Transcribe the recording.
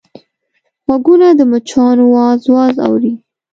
غوږونه د مچانو واز واز اوري